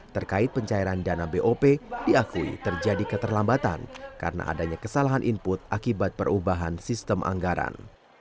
terkait pencairan dana bop diakui terjadi keterlambatan karena adanya kesalahan input akibat perubahan sistem anggaran